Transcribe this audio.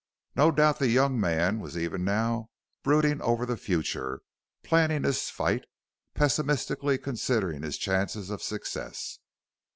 No doubt the young man was even now brooding over the future, planning his fight, pessimistically considering his chances of success.